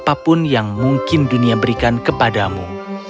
apapun yang mungkin dunia berikan kepadamu